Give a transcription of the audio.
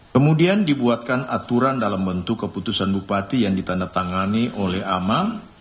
kemudian dibuatkan aturan dalam bentuk keputusan bupati yang ditandatangani oleh amam